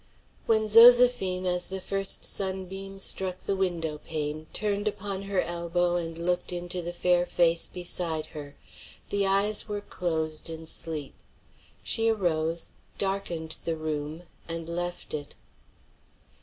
When Zoséphine, as the first sunbeam struck the window pane, turned upon her elbow and looked into the fair face beside her, the eyes were closed in sleep. She arose, darkened the room, and left it.